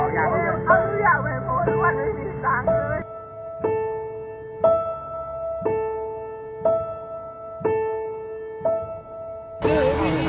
อยากไปโบราณไหนไม่มีสังคม